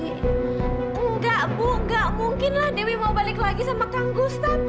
enggak bu enggak mungkin lah dewi mau balik lagi sama kang gustaf